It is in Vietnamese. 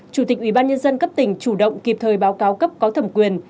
chủ tịch ubnd cấp tỉnh chủ động kịp thời báo cáo cấp có thẩm quyền